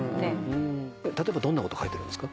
例えばどんなこと書いてるんですか？